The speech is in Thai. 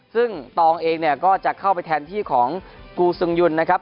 ซึ่งตองเองเนี่ยก็จะเข้าไปแทนที่ของกูซึงยุนนะครับ